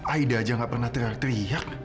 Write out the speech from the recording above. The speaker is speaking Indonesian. aida aja gak pernah teriak teriak